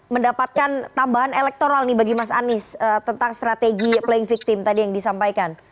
mendapatkan tambahan elektoral nih bagi mas anies tentang strategi playing victim tadi yang disampaikan